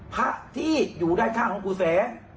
พระที่อยู่ด้านข้างของปู่แสง